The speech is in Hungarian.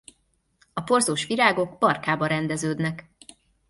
A porzós virágok barkába rendeződnek.